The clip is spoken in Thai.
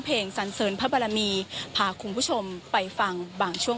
สันเสริญพระบรมีพาคุณผู้ชมไปฟังบางช่วง